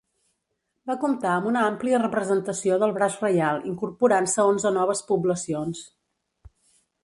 Va comptar amb una àmplia representació del braç reial incorporant-se onze noves poblacions.